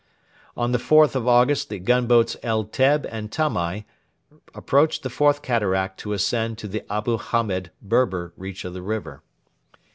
On the 4th of August the gunboats El Teb and Tamai approached the Fourth Cataract to ascend to the Abu Hamed Berber reach of the river.